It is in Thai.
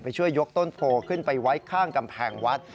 ช่วยยกต้นโพขึ้นไปไว้ข้างกำแพงวัด